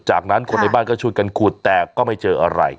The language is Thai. จากนั้นคนในบ้านก็ช่วยกันขุดแต่ก็ไม่เจออะไร